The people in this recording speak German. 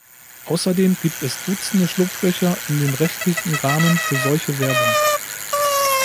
Außerdem gibt es Dutzende Schlupflöcher in dem rechtlichen Rahmen für solche Werbung.